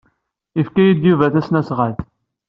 Yefka-iyi-d Yuba tasnasɣalt.